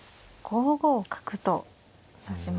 ５五角と指しましたね。